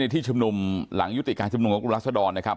ที่ชุมนุมหลังยุติการชุมนุมของกลุ่มรัศดรนะครับ